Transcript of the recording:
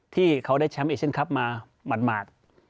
ที่เขาได้แชมป์เอเชียนคลับมาหมาด